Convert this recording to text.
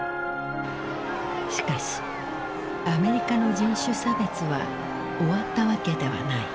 しかしアメリカの人種差別は終わったわけではない。